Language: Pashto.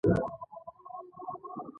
د خدای په مرسته به اباد شو؟